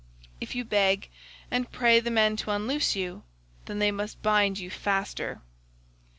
If you beg and pray the men to unloose you, then they must bind you faster.